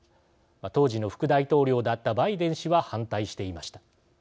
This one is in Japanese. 当時の副大統領だったバイデン氏は反対していました。